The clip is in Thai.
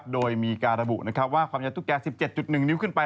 โดยมีการระบุว่าความยาวตุ๊กแก่๑๗๑นิ้วขึ้นไป